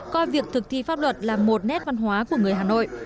coi việc thực thi pháp luật là một nét văn hóa của người hà nội